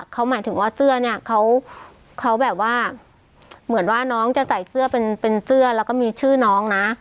เขาหมายถึงว่าเสื้อเนี่ยเขาแบบว่าเหมือนว่าน้องจะใส่เสื้อเป็นเสื้อแล้วก็มีชื่อน้องนะ